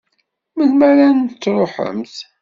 Melmi ara n-truḥemt?